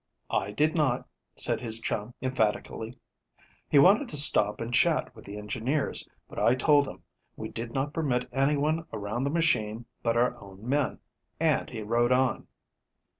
"I did not," said his chum emphatically. "He wanted to stop and chat with the engineers, but I told him we did not permit anyone around the machine but our own men, and he rode on."